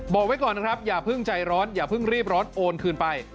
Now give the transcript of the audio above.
บอกไว้ก่อนนะครับอย่าเพิ่งใจร้อนอย่าเพิ่งรีบร้อนโอนคืนไป